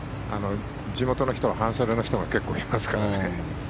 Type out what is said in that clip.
地元の人は半袖の人が結構いますからね。